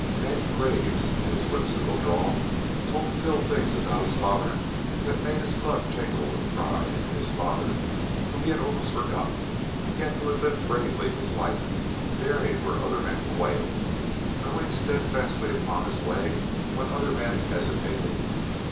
Hank Graves, in his whimsical drawl, told Phil things about his father that made his blood tingle with pride; his father, whom he had almost forgotten, yet who had lived bravely his life, daring where other men quailed, going steadfastly upon his way when other men hesitated.